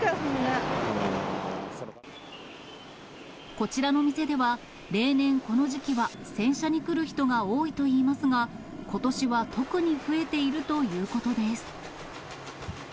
こちらの店では、例年、この時期は洗車に来る人が多いといいますが、ことしは特に増えているということです。